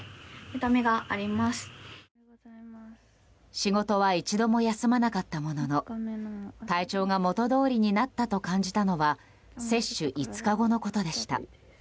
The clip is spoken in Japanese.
仕事は一度も休まなかったものの体調が元通りになったと感じたのは接種５日後のことでした。